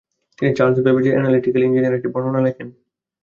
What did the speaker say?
তিনি চার্লস ব্যাবেজের অ্যানালিটিক্যাল ইঞ্জিন-এর একটি বর্ণনা লেখেন।